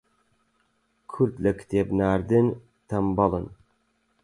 کورد لە کتێب ناردن تەنبەڵن